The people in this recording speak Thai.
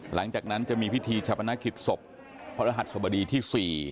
หลังจากนั้นจะมีพิธีฉันประณาคิดศพพรหัสสมดีที่สี่